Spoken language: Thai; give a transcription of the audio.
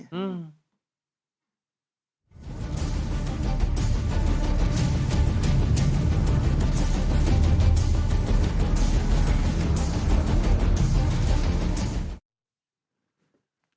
สวัสดีครับ